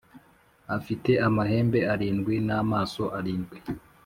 afite amahembe arindwi n’amaso arindwi